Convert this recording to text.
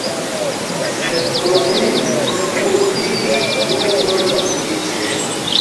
Sed por min senkulpigi unu vorto sufiĉos.